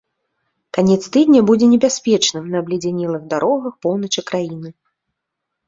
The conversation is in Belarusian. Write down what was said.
Канец тыдня будзе небяспечным на абледзянелых дарогах поўначы краіны.